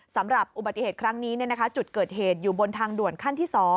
สำหรับอุบัติเหตุครั้งนี้จุดเกิดเหตุอยู่บนทางด่วนขั้นที่๒